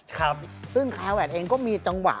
ซึ่งฮาวัดเองก็มีจังหวะ